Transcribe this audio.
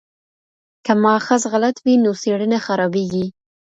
که ماخذ غلط وي نو څېړنه خرابیږي.